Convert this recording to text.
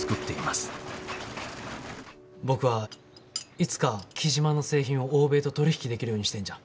僕はいつか雉真の製品を欧米と取り引きできるようにしたいんじゃ。